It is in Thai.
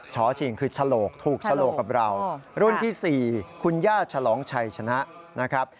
ช้อชิงคือฉลกถูกฉลกกับเรารุ่นที่๔คุณย่าฉลองชัยชนะนะครับ